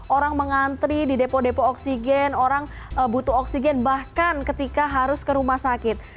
orang mengantri di depo depo oksigen orang butuh oksigen bahkan ketika harus ke rumah sakit